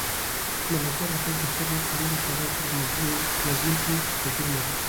ملکیار هوتک د خپل وخت له نورو شاعرانو سره په مضمون کې توپیر لري.